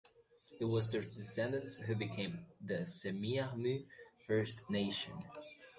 It was their descendants who became the Semiahmoo First Nation.